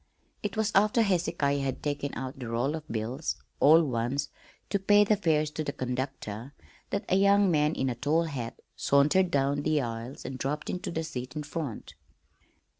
It was after Hezekiah had taken out the roll of bills all ones to pay the fares to the conductor that a young man in a tall hat sauntered down the aisle and dropped into the seat in front.